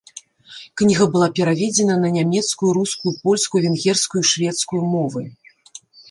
Кніга была пераведзена на нямецкую, рускую, польскую, венгерскую і шведскую мовы.